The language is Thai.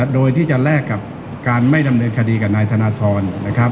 โดยที่จะแลกกับการไม่ดำเนินคดีกับนายธนทรนะครับ